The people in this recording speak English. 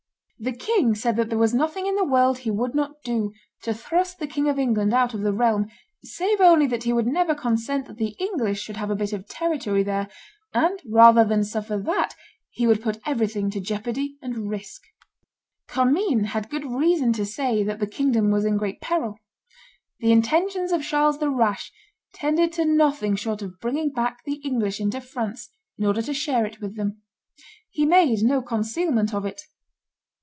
The king said that there was nothing in the world he would not do to thrust the King of England out of the realm, save only that he would never consent that the English should have a bit of territory there; and, rather than suffer that, he would put everything to jeopardy and risk." Commynes had good reason to say that the kingdom was in great peril. The intentions of Charles the Rash tended to nothing short of bringing back the English into France, in order to share it with them. He made no concealment of it.